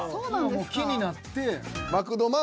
今もう木になって。